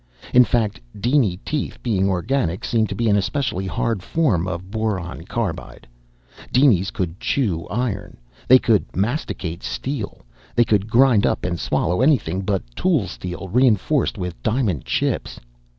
In fact, diny teeth, being organic, seemed to be an especially hard form of boron carbide. Dinies could chew iron. They could masticate steel. They could grind up and swallow anything but tool steel reinforced with diamond chips.